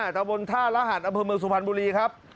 ๓๙๓๕ตั้งบนท่ารหัสอเมืองสุพรรณบุรีครับ